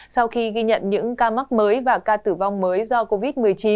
sau khi ghi nhận những ca mắc mới và ca tử vong mới do covid một mươi chín